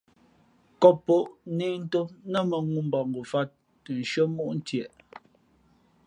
Kǒppǒʼ nē ntōm nά mᾱŋū mbakngofāt tα nshʉ́ά móʼ ntieʼ.